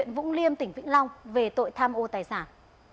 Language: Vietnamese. về tội tham ô tài sản